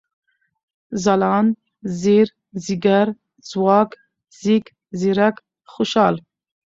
ځلاند ، ځير ، ځيگر ، ځواک ، ځيږ ، ځيرک ، خوشال